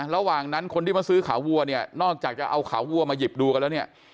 ระหว่างนั้นคนที่มาซื้อขาวัวเนี่ยนอกจากจะเอาขาวัวมาหยิบดูกันแล้วเนี่ย